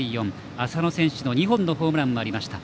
浅野選手の２本のホームランもありました。